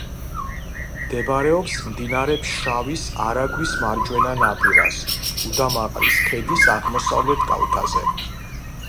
მდებარეობს მდინარე ფშავის არაგვის მარჯვენა ნაპირას, გუდამაყრის ქედის აღმოსავლეთ კალთაზე.